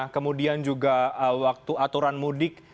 kemudian juga waktu aturan mudik